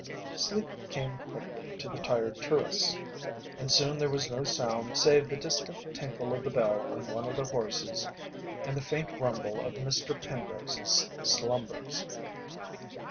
Sleep came quickly to the tired tourists, and soon there was no sound save the distant tinkle of the bell on one of the horses and the faint rumble of Mr. Penrose's slumbers.